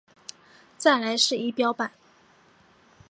再来是仪表板